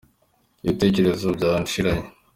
Ibitekerezo byanciranye